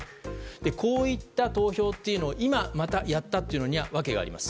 こうした投票を今、またやったというのには訳があります。